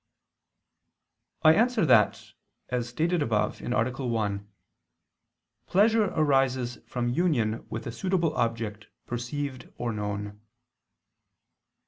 I answer that, As stated above (A. 1), pleasure arises from union with a suitable object perceived or known.